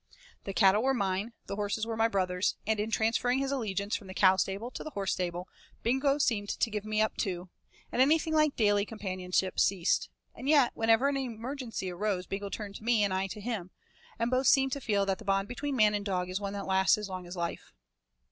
The cattle were mine, the horses were my brother's, and in transferring his allegiance from the cow stable to the horse stable Bingo seemed to give me up too, and anything like daily companionship ceased, and yet, whenever any emergency arose Bingo turned to me and I to him, and both seemed to feel that the bond between man and dog is one that lasts as long as life.